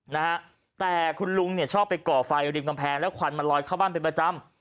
นะฮะแต่คุณลุงเนี่ยชอบไปก่อไฟริมกำแพงแล้วควันมันลอยเข้าบ้านเป็นประจำ